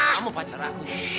kamu pacar aku